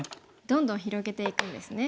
どんどん広げていくんですね。